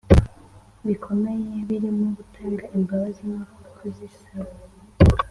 bikomeye, birimo gutanga imbabazi no kuzisaba.